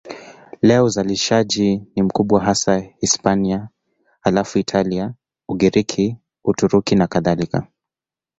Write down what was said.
Leo uzalishaji ni mkubwa hasa Hispania, halafu Italia, Ugiriki, Uturuki nakadhalika.